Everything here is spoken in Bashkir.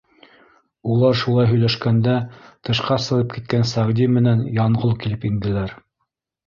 Улар шулай һөйләшкәндә, тышҡа сығып киткән Сәғди менән Янғол килеп инделәр.